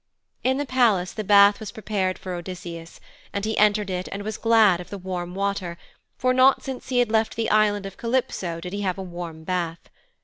In the palace the bath was prepared for Odysseus, and he entered it and was glad of the warm water, for not since he had left the Island of Calypso did he have a warm bath.